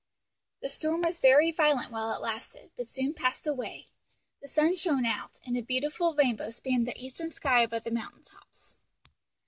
The storm was very violent while it lasted, but soon passed away; the sun shone out, and a beautiful rainbow spanned the eastern sky above the mountain tops.